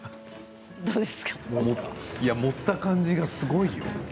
持った感じがすごいよ。